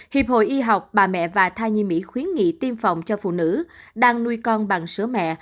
hiệp hội y học bà mẹ và thai nhi mỹ khuyến nghị tiêm phòng cho phụ nữ đang nuôi con bằng sữa mẹ